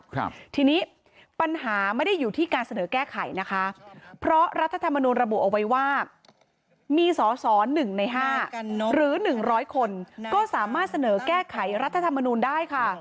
ครับทีนี้ปัญหาไม่ได้อยู่ที่การเสนอแก้ไขนะคะเพราะรัฐธรรมนูลระบุเอาไว้ว่ามีสอสอหนึ่งในห้าหรือหนึ่งร้อยคนก็สามารถเสนอแก้ไขรัฐธรรมนูลได้ค่ะ